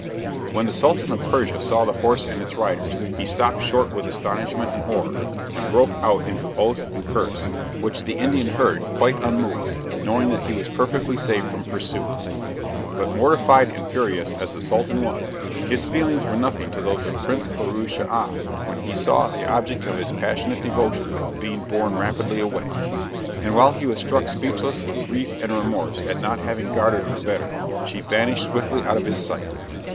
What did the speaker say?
When the Sultan of Persia saw the horse and its riders, he stopped short with astonishment and horror, and broke out into oaths and curses, which the Indian heard quite unmoved, knowing that he was perfectly safe from pursuit. But mortified and furious as the Sultan was, his feelings were nothing to those of Prince Firouz Schah, when he saw the object of his passionate devotion being borne rapidly away. And while he was struck speechless with grief and remorse at not having guarded her better, she vanished swiftly out of his sight.